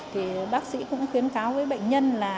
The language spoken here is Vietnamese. thì bác sĩ cũng khuyến cáo với bệnh nhân là